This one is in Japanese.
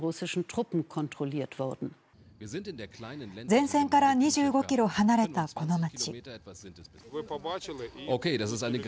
前線から２５キロ離れたこの町。